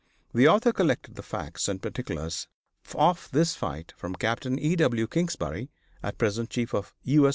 The author collected the facts and particulars of this fight from Capt. E. W. Kingsbury, at present chief of U. S.